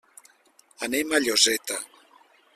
Anem a Lloseta.